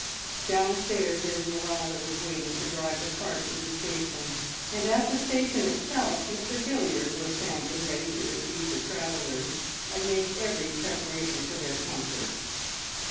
Downstairs Esmeralda was waiting to drive the cart to the station, and at the station itself Mr Hilliard was standing ready to receive the travellers and make every preparation for their comfort.